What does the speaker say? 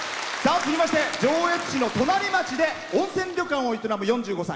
続きまして上越市の隣町で温泉旅館を営む４５歳。